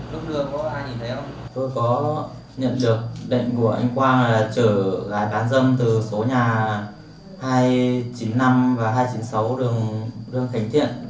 tôi có nhận được định của anh quang là chở gái bán dâm từ số nhà hai trăm chín mươi năm và hai trăm chín mươi sáu đường khánh thiện